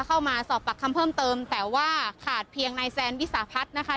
เข้ามาสอบปากคำเพิ่มเติมแต่ว่าขาดเพียงนายแซนวิสาพัฒน์นะคะ